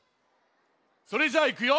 それじゃあいくよ！